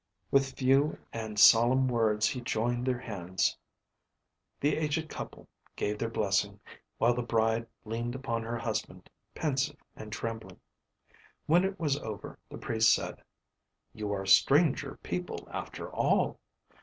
With few and solemn words he joined their hands; the aged couple gave their blessing, while the bride leaned upon her husband, pensive and trembling. When it was over, the Priest said: "You are strange people after all!